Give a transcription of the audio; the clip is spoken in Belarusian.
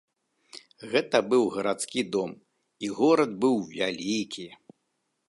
Гэта быў гарадскі дом, і горад быў вялікі.